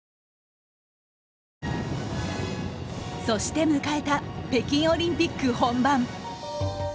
そして迎えた北京オリンピック本番。